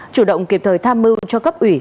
chủ động kịp thời tham mưu cho cấp ủy